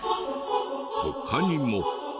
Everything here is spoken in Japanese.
他にも。